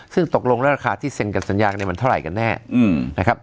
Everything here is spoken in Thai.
ซึ่งตกลงแล้วราคาที่เซ็นกับสัญญาเนี่ยมันเท่าไหร่กันแน่นะครับ